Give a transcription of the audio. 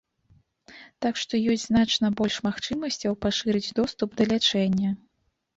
Так што ёсць значна больш магчымасцяў пашырыць доступ да лячэння.